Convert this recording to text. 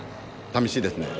寂しいですね。